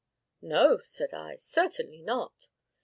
"No," said I; "certainly not!"